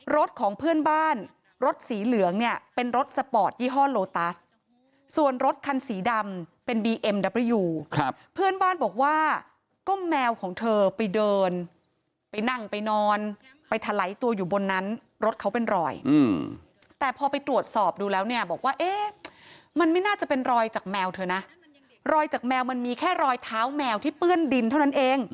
รถของเพื่อนบ้านรถสีเหลืองเนี่ยเป็นรถสปอร์ตยี่ห้อโลตัสส่วนรถคันสีดำเป็นบีเอ็มดับริยูครับเพื่อนบ้านบอกว่าก็แมวของเธอไปเดินไปนั่งไปนอนไปถลายตัวอยู่บนนั้นรถเขาเป็นรอยแต่พอไปตรวจสอบดูแล้วเนี่ยบอกว่าเอ๊ะมันไม่น่าจะเป็นรอยจากแมวเธอนะรอยจากแมวมันมีแค่รอยเท้าแมวที่เปื้อนดินเท่านั้นเอง